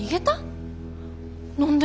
何で？